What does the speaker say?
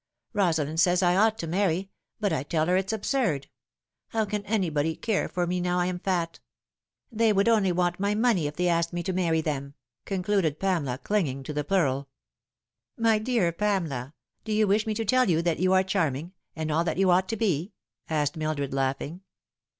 liosalind says I ought to marry ; but I tell her it's absurd. How can anybody ever care for me now I am fat ? They would only want my money if they asked me to marry them," concluded Pamela, clinging to the plural. " My dear Pamela, do you wish me to tell you that you are charming, and all that you ought to be ?" asked Mildred, laughing.